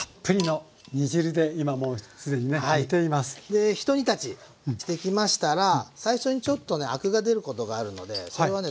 でひと煮立ちしてきましたら最初にちょっとねアクが出ることがあるのでそれはね